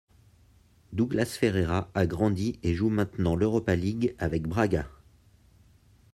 Douglas Ferreira a grandi et joue maintenant l'Europa League avec Braga.